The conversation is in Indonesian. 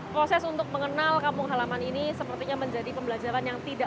proses untuk mengenal kampung halaman ini sepertinya menjadi pembelajaran yang tidak